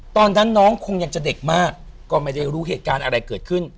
ตอนนั้นน้องคงยังจะเด็กมากก็ไม่ได้รู้เหตุการณ์อะไรเกิดขึ้น